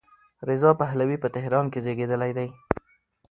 رضا پهلوي په تهران کې زېږېدلی دی.